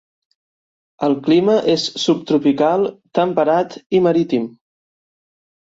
El clima és subtropical, temperat i marítim.